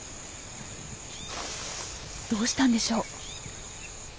どうしたんでしょう？